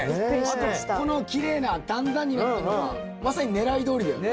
あとこのきれいな段々になってるのがまさにねらいどおりだよね。